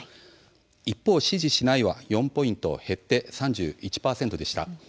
一方、支持しないは４ポイント減って３１％でした。